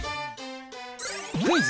クイズ！